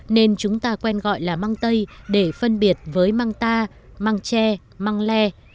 nên chúng ta quen gọi là măng tây để phân biệt với măng ta măng tre măng le